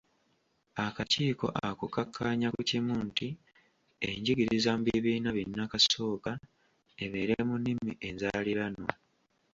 Akakiiko ako kakkaanya ku kimu nti enjigiriza mu bibiina binnakasooka ebeere mu nnimi enzaaliranwa.